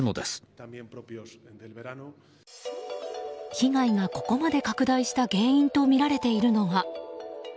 被害が、ここまで拡大した原因とみられているのが。